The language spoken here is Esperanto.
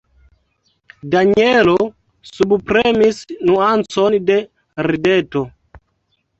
Danjelo subpremis nuancon de rideto.